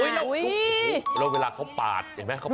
แล้วเวลาเขาปาดเห็นไหม